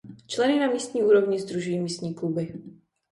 Členy na místní úrovni sdružují místní kluby.